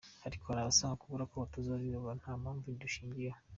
Ariko hari abasanga ukubura kw’abatoza b’abirabura nta mpamvu yindi bishingiyeho.